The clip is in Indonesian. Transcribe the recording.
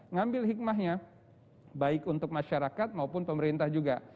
ngambil hikmahnya baik untuk masyarakat maupun pemerintah juga